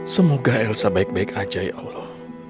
semoga elsa baik baik aja ya allah